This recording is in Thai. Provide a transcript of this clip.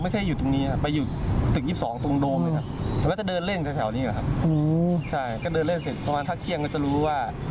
ใช่ก็เดินเล่นเสร็จประมาณถ้าเคี่ยงก็จะรู้ว่า